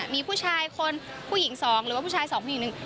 มีผู้ชายคนผู้หญิงสองหรือว่าผู้ชายสองผู้หญิงหนึ่ง